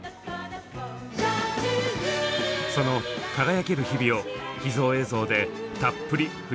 その輝ける日々を秘蔵映像でたっぷり振り返ります。